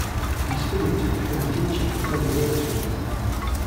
He studied to become a teacher but never worked as one.